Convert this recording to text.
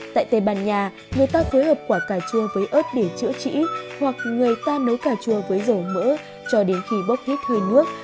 tại tây ban nha người ta phối hợp quả cà chua với ớt để chữa trĩ hoặc người ta nấu cà chua với dầu mỡ cho đến khi bốc vít hơi nước